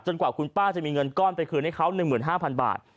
กว่าคุณป้าจะมีเงินก้อนไปคืนให้เขา๑๕๐๐บาท